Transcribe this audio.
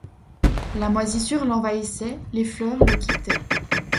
La moisissure l’envahissait, les fleurs le quittaient.